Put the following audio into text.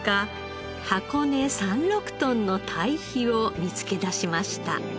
箱根山麓豚の堆肥を見つけだしました。